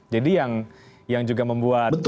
jadi yang juga membuat